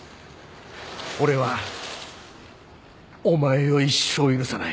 俺はお前を一生許さない。